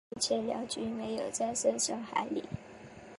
数千辽军没有战胜萧海里。